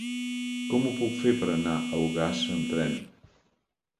Com ho puc fer per anar a Ogassa amb tren?